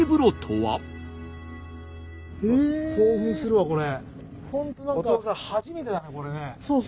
興奮するわこれ。